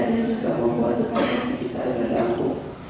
ada yang juga membuatku terasa sekitar terganggu